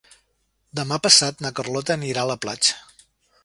Demà passat na Carlota anirà a la platja.